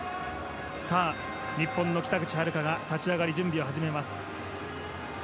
日本の北口榛花が立ち上がり準備を始めます。